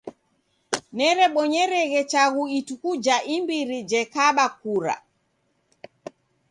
Ndererebonyereghe chaghu ituku ja imbiri jekaba kura.